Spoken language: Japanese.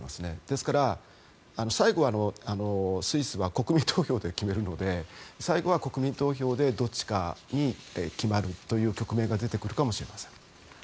ですから、最後はスイスは国民投票で決めるので最後は国民投票でどっちかに決まるという局面が出てくるかもしれません。